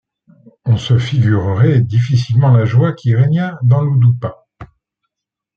On se figurerait difficilement la joie qui régna dans l’Oudoupa.